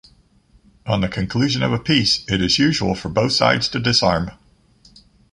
On the conclusion of a peace, it is usual for both sides to disarm.